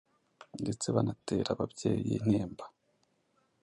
Ndetse banatera ababyeyi intimba